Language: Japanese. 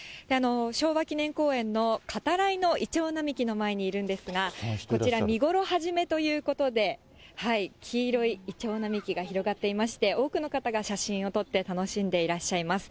昭和記念公園のかたらいのイチョウ並木の前にいるんですが、こちら、見頃はじめということで、黄色いいちょう並木が広がっていまして、多くの方が写真を撮って、楽しんでいらっしゃいます。